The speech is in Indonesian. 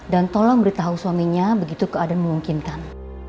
dan tolong beritahu suaminya begitu keadaan memungkinkan